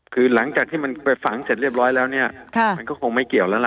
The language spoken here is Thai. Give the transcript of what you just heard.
คือหลังจากที่มันไปฝังเสร็จเรียบร้อยแล้วเนี่ยมันก็คงไม่เกี่ยวแล้วล่ะ